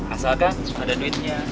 asalkan ada duitnya